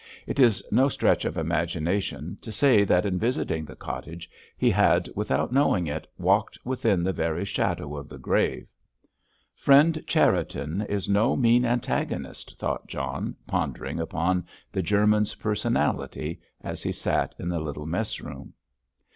It is no stretch of imagination to say that in visiting the cottage he had, without knowing it, walked within the very shadow of the grave. "Friend Cherriton is no mean antagonist," thought John, pondering upon the German's personality as he sat in the little mess room.